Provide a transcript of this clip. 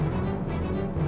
jangan lupa bubu